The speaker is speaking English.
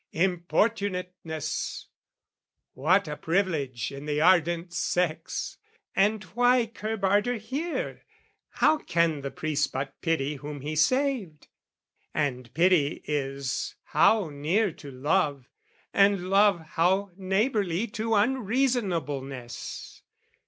Importunateness what a privilege In the ardent sex! And why curb ardour here? How can the priest but pity whom he saved? And pity is how near to love, and love How neighbourly to unreasonableness!